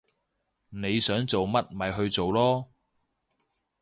你想做乜咪去做囉